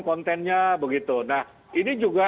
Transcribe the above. kontennya begitu nah ini juga